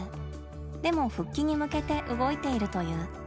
でも復帰に向けて動いているという。